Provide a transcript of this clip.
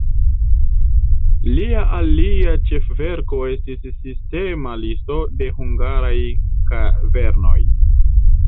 Lia alia ĉefverko estis sistema listo de hungaraj kavernoj.